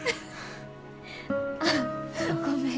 ああごめん。